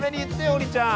王林ちゃん。